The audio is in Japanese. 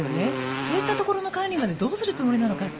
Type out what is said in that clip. そういったところの管理はどうするつもりなのか